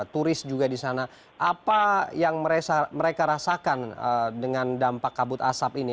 turis juga di sana apa yang mereka rasakan dengan dampak kabut asap ini